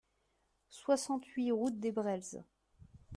soixante-huit route des Brels